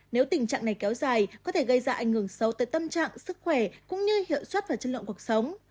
nếu tình trạng này kéo dài có thể gây ra ảnh hưởng xấu tới tâm trạng sức khỏe cũng như hiệu suất và chất lượng cuộc sống